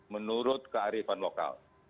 menurut kearifan lokal